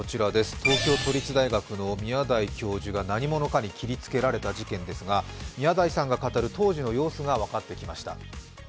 東京都立大学の宮台教授が何者かに切りつけられた事件ですが宮台さんが語る当時の様子が分かってきました。